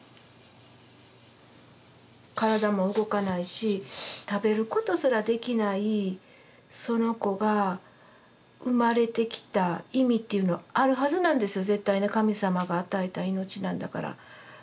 体も動かないし食べることすらできないその子が生まれてきた意味っていうのはあるはずなんですよ絶対神様が与えた命なんだから。